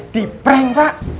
di pereng pak